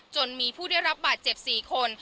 จนมีผู้ได้รับบาดเจ็บ๔คน